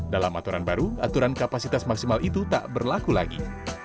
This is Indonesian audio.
dalam aturan baru aturan kapasitas maksimal itu tak berlaku lagi